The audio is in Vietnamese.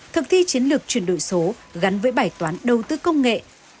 thực thi chiến lược chuyển đổi số gắn với bài toán đầu tư công nghệ